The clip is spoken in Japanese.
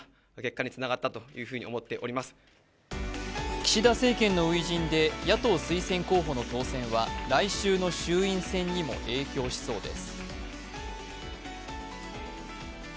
岸田政権の初陣で野党推薦候補の当選は来週の衆院選にも影響しそうです。